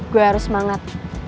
gue harus semangat